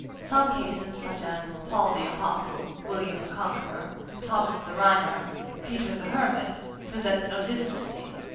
Some cases, such as "Paul the Apostle," "William the Conqueror," "Thomas the Rhymer," "Peter the Hermit," present no difficulty.